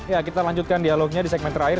ya kita lanjutkan dialognya di segmen terakhir